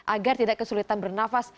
agar tidak kesulitan bernafas